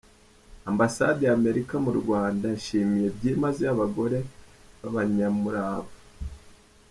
Ambasade ya Amerika mu Rwanda yashimiye byimazeyo abagore b’abanyamurava.